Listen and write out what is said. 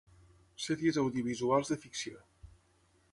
Sèries audiovisuals de ficció.